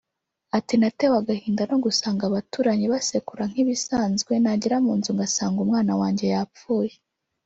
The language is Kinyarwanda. Ati “Natewe agahinda no gusanga abaturanyi basekura nk’ibisanzwe nagera mu nzu ngasanga umwana wanjye yapfuye